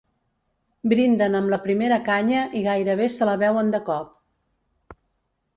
Brinden amb la primera canya i gairebé se la beuen de cop.